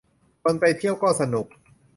คนไปเที่ยวก็สนุก